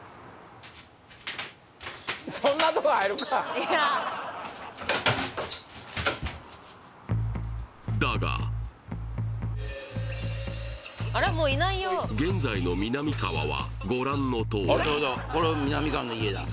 そんなとこ入るかだが現在のみなみかわはご覧のとおりこれみなみかわの家だ